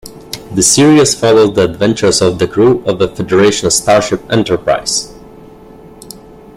The series follows the adventures of the crew of the Federation starship "Enterprise".